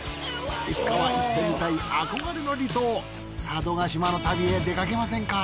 いつかは行ってみたい憧れの離島佐渡島の旅へ出かけませんか？